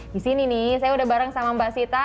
disini nih saya udah bareng sama mbak sita